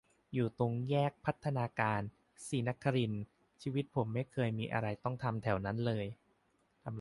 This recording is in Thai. อยู่ตรงแยก พัฒนาการ-ศรีนครินทร์ ชีวิตผมไม่เคยมีอะไรต้องทำแถวนั้นเลย